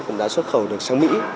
cũng đã xuất khẩu được sang mỹ